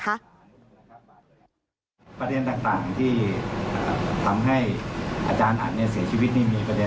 ประเด็นต่างที่ทำให้อาจารย์อัดเสียชีวิตนี่มีประเด็น